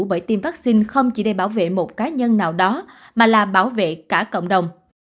bởi tiêm vaccine không chỉ để bảo vệ một cá nhân nào đó mà là bảo vệ cả cộng đồng